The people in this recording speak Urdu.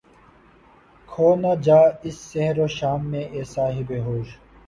کھو نہ جا اس سحر و شام میں اے صاحب ہوش